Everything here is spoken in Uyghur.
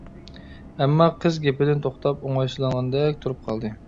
ئەمما. قىز گېپىدىن توختاپ ئوڭايسىزلانغاندەك تۇرۇپ قالدى.